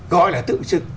gói là tự chừng